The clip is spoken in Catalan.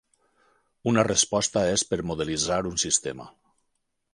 Una resposta és per modelitzar un sistema.